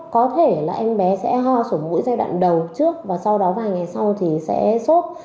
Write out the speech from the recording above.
có thể là em bé sẽ ho sổ mũi giai đoạn đầu trước và sau đó vài ngày sau thì sẽ sốt